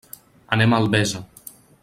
Anem a Albesa.